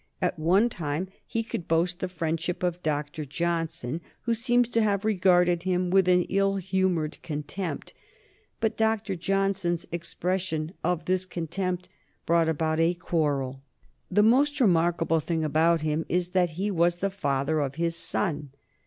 At one time he could boast the friendship of Dr. Johnson, who seems to have regarded him with an ill humored contempt, but Dr. Johnson's expression of this contempt brought about a quarrel. The most remarkable thing about him is that he was the father of his son.